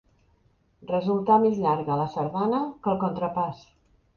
Resultar més llarga la sardana que el contrapàs.